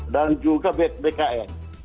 dan juga bkn